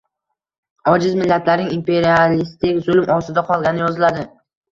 ojiz millatlarning imperialistik zulm ostida qolgani yoziladi.